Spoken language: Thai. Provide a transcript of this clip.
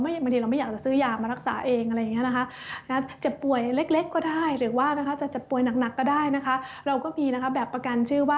บางทีเราไม่อยากจะซื้อยามารักษาเองอะไรอย่างนี้นะคะเจ็บป่วยเล็กก็ได้หรือว่าจะเจ็บป่วยหนักก็ได้นะคะ